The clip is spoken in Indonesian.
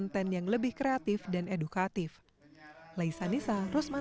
tiga dua satu